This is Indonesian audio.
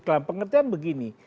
dalam pengertian begini